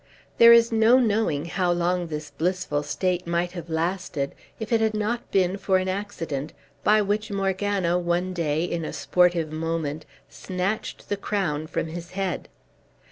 There is no knowing how long this blissful state might have lasted, if it had not been for an accident, by which Morgana one day, in a sportive moment, snatched the crown from his head.